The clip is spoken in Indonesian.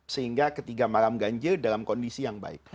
sehingga ketika malam ganjil dalam kondisi yang baik